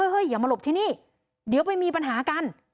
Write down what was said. อย่ามาหลบที่นี่เดี๋ยวไปมีปัญหากัน